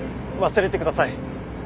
忘れてください。